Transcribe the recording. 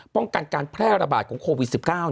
ป้องกันการแพร่ระบาดของโควิด๑๙